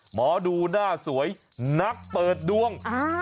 หมอดูหน้าสวยนักเปิดดวง